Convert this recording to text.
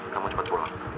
kamu cepat pulang